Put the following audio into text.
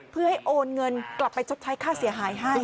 เพื่อให้โอนเงินกลับไปชดใช้ค่าเสียหายให้